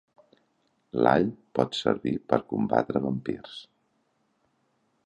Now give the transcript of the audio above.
L'all pot servir per combatre vampirs.